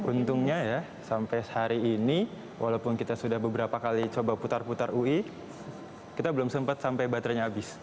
untungnya ya sampai hari ini walaupun kita sudah beberapa kali coba putar putar ui kita belum sempat sampai baterainya habis